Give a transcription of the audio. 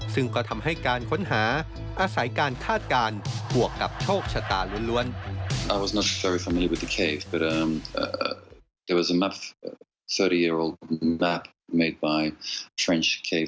ซึ่งก็ทำให้การค้นหาอาศัยการคาดการณ์บวกกับโชคชะตาล้วน